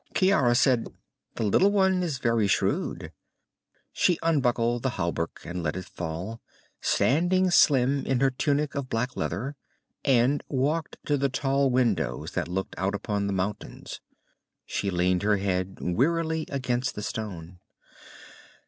Ciara said, "The little one is very shrewd." She unbuckled the hauberk and let it fall, standing slim in her tunic of black leather, and walked to the tall windows that looked out upon the mountains. She leaned her head wearily against the stone.